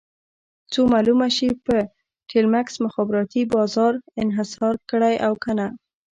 څو معلومه شي چې ټیلمکس مخابراتي بازار انحصار کړی او که نه.